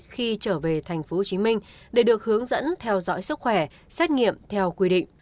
khi trở về thành phố hồ chí minh để được hướng dẫn theo dõi sức khỏe xét nghiệm theo quy định